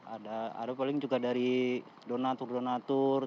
ada ada paling juga dari donatur donatur